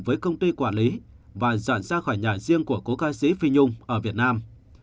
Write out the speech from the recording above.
với công ty quản lý và giả ra khỏi nhà riêng của cố ca sĩ phi nhung ở việt nam